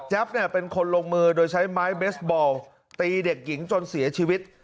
เป็นคนลงมือโดยใช้ไม้เบสบอลตีเด็กหญิงจนเสียชีวิต